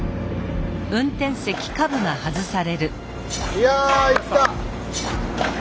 いやいった！